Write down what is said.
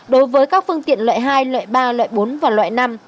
đối với các phương tiện loại hai loại ba loại bốn và loại năm